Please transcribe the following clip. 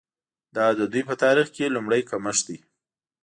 دا د دوی په تاریخ کې لومړی کمښت دی.